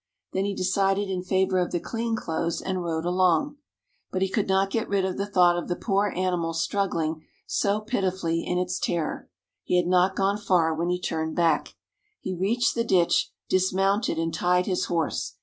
Then he decided in favour of the clean clothes, and rode along. But he could not get rid of the thought of the poor animal struggling so pitifully in its terror. He had not gone far when he turned back. He reached the ditch, dismounted, and tied his horse.